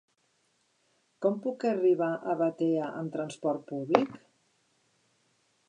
Com puc arribar a Batea amb trasport públic?